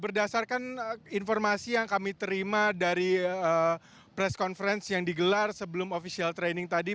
berdasarkan informasi yang kami terima dari press conference yang digelar sebelum official training tadi